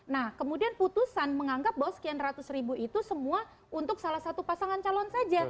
nah kemudian putusan menganggap bahwa sekian ratus ribu itu semua untuk salah satu pasangan calon saja